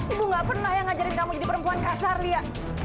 ibu gak pernah yang ngajarin kamu jadi perempuan kasar lia